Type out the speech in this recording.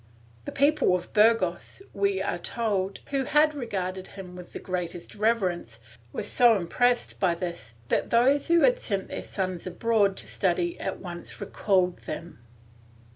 The people of Burgos, we are told, who had regarded him with the greatest reverence, were so impressed by this that those who had sent their sons abroad to study at once recalled them.'